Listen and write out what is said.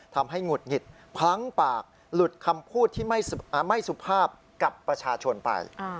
หงุดหงิดพลั้งปากหลุดคำพูดที่ไม่สุภาพกับประชาชนไป